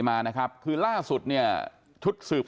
แต่กะเอาฉเงินใจออก